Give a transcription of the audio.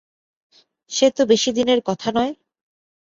সে তো বেশিদিনের কথা নয়।